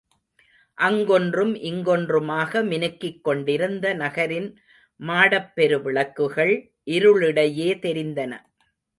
அங்கொன்றும் இங்கொன்றுமாக மினுக்கிக் கொண்டிருந்த நகரின் மாடப் பெருவிளக்குகள் இருளிடையே தெரிந்தன.